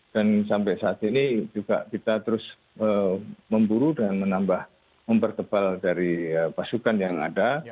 dan sampai saat ini juga kita terus memburu dan menambah mempertebal dari pasukan yang ada